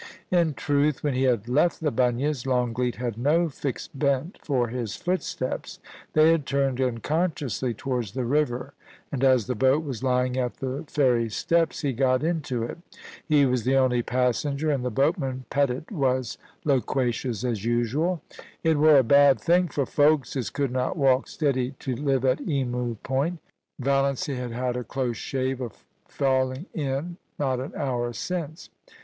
In truth, when he had left the Bunyas, Longleat had no fixed bent for his footsteps. They had turned unconsciously towards the river, and, as the boat was lying at the ferry steps, he got into it He was the only passenger, and the boatman Pettit was loquacious as usual * It were a bad thing for folks as could not walk steady to live at Emu Point Valiancy had had a close shave of falling in not an hour since.